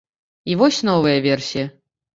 І вось новая версія.